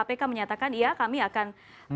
mereka menyatakan iya kami akan